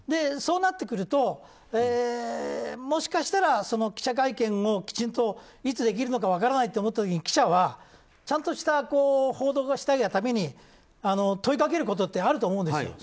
そうなってくるともしかしたら記者会見をきちんといつできるのか分からないと思った時に記者はちゃんとした報道をしたいがために問いかけることってあると思うんです。